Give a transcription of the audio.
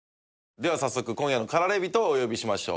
では早速今夜の駆られ人をお呼びしましょう。